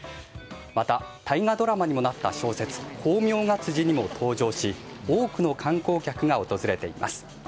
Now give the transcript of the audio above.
また、大河ドラマにもなった小説「功名が辻」にも登場し、多くの観光客が訪れています。